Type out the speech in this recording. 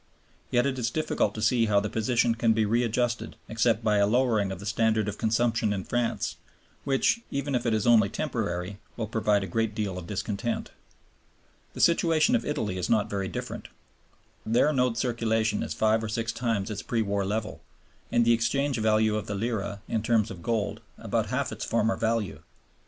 Yet it is difficult to see how the position can be readjusted except by a lowering of the standard of consumption in France, which, even if it is only temporary, will provoke a great deal of discontent. The situation of Italy is not very different. There the note circulation is five or six times its pre war level, and the exchange value of the lira in terms of gold about half its former value.